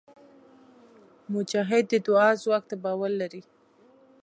مجاهد د دعا ځواک ته باور لري.